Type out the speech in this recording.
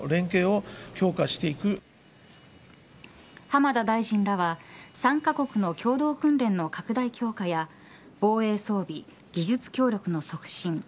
浜田大臣らは３カ国の共同訓練の拡大強化や防衛装備、技術協力の促進